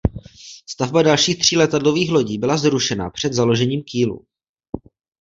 Stavba dalších tří letadlových lodí byla zrušena před založením kýlu.